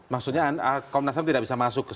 maksudnya komnas tidak bisa masuk ke sana